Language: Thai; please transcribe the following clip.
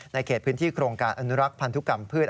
เขตพื้นที่โครงการอนุรักษ์พันธุกรรมพืช